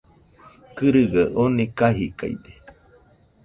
Kɨrɨgaɨ oni kajidaide